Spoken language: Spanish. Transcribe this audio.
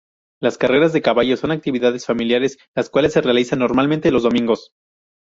Las carreras de caballos son actividades familiares, las cuales se realizan normalmente los domingos.